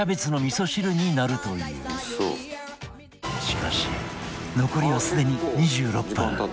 しかし残りはすでに２６分